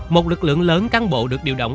một lực lượng lớn cán bộ được điều động